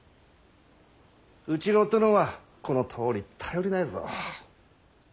うちの殿はこのとおり頼りないぞ。